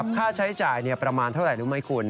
ค่าใช้จ่ายประมาณเท่าไหร่รู้ไหมคุณ